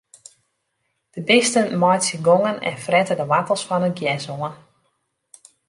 De bisten meitsje gongen en frette de woartels fan it gjers oan.